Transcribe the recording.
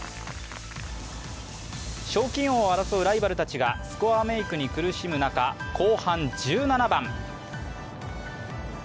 賞金王を争うライバルたちがスコアメークに苦しむ中後半１７番。